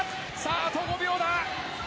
あと５秒だ